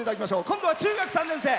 今度は中学３年生。